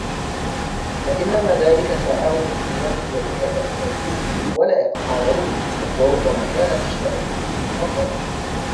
فَإِنَّمَا ذَلِكَ تَعَاوُنُ ائْتِلَافٍ يَتَكَافَئُونَ فِيهِ وَلَا يَتَفَاضَلُونَ وَرُبَّمَا كَانَ الْمُسْتَعِينُ فِيهِ مُفَضَّلًا